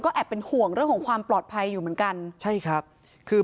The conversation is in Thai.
แอบเป็นห่วงเรื่องของความปลอดภัยอยู่เหมือนกันใช่ครับคือ